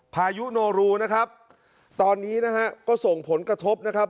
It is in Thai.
พายุโนรูนะครับตอนนี้นะฮะก็ส่งผลกระทบนะครับ